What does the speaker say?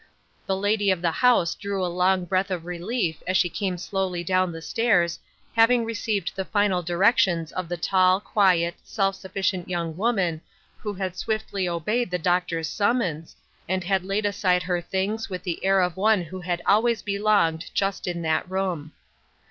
The lady of the house drew a long breath of relief as she came slowly down the stairs, having received the final directions of the tall quiet, self sufficient young woman who had swiftly obeyed the doctor's summons, and laid aside her things with the air of one who had always belonged just in that room.